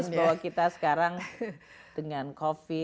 kita kini bawa kita sekarang dengan covid